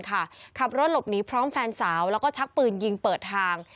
ขับรถหลบหนีพร้อมแฟนสาวแล้วก็ชักปืนยิงเปิดทาง